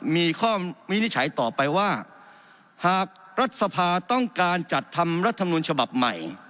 มีข้อวินิจฉัยต่อไปว่าหากรัฐสภาต้องการจัดทำรัฐมนุนฉบับใหม่